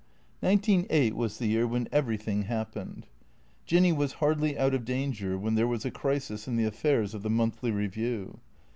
Nineteen eight was the year when everything happened. Jinny was hardly out of danger when there was a crisis in the affairs of the " Monthly Eeview."